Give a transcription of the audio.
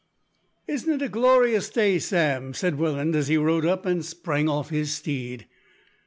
"Isn't it a glorious day, Sam?" said Welland as he rode up and sprang off his steed.